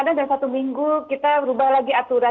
dari satu minggu kita berubah lagi aturan